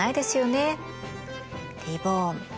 リ・ボーン！